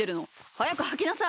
はやくはきなさい！